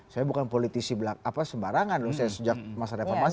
saya bukan politisi sembarangan loh saya sejak masa reformasi